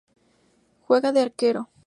Juega de arquero.